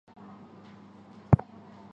高端型号都在美国制造。